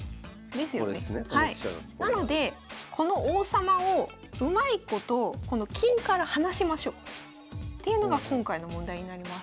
なのでこの王様をうまいことこの金から離しましょうっていうのが今回の問題になります。